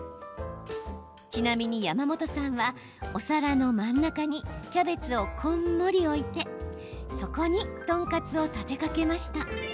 ちなみに山本さんはお皿の真ん中にキャベツを、こんもり置いてそこにトンカツを立てかけました。